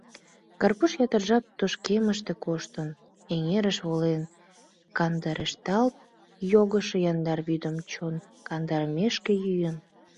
Карпуш ятыр жап тошкемыште коштын, эҥерыш волен кандырешталт йогышо яндар вӱдым чон кандарымешке йӱын.